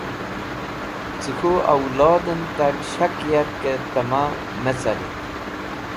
Cẽ k̃hũ awoldẽn tag shak yarkẽ tẽma me carit.